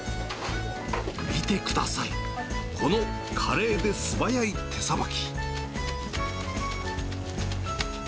見てください、この華麗で素早い手さばき。